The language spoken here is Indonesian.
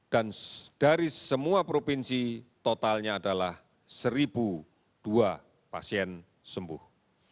dan dari semua provinsi totalnya adalah satu dua pasien sembuh